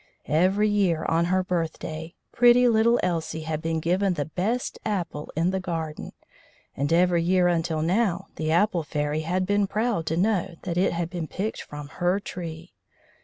Every year, on her birthday, pretty little Elsie had been given the best apple in the garden, and every year until now the Apple Fairy had been proud to know that it had been picked from her tree.